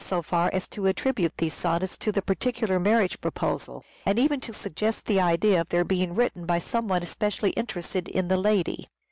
so far as to attribute these sonnets to the particular marriage proposal, and even to suggest the idea of their being written by some one specially interested in the lady.